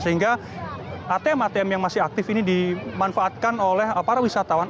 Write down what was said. sehingga atm atm yang masih aktif ini dimanfaatkan oleh para wisatawan